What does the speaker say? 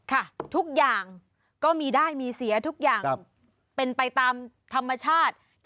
ค่ะทุกอย่างก็มีได้มีเสียทุกอย่างเป็นไปตามธรรมชาติ